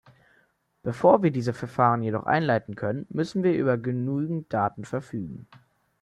Bevor wir diese Verfahren jedoch einleiten können, müssen wir über genügend Daten verfügen.